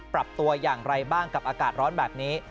ปรับตัวอย่างไรบ้างกับอากาศร้อนแบบนี้